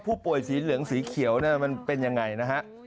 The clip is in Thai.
ผู้ป่วยสีเหลืองสีเขียวเป็นอย่างไรนะฮะ